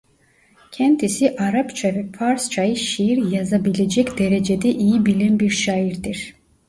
Kendisi Arapça ve Farsçayı şiir yazabilecek derecede iyi bilen bir şairdir.